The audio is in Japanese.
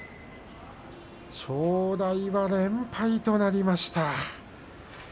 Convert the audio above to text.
正代は連敗となりました。